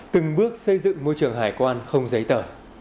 từng bước xây dựng môi trường hải quan không giấy tờ